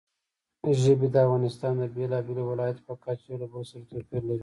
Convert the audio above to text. ژبې د افغانستان د بېلابېلو ولایاتو په کچه یو له بل سره توپیر لري.